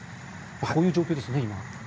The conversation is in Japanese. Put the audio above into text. こういう状況ですね、今。